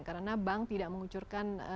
karena bank tidak mengucurkan